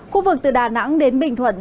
khu vực từ đà nẵng đến bình thuận